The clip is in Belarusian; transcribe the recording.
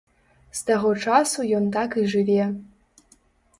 З таго часу ён так і жыве.